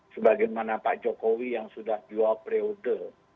sebagai mana pak jokowi yang sudah dua periode